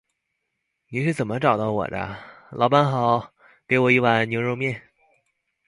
你是怎麼找到我的？老闆好，請給我一碗牛肉麵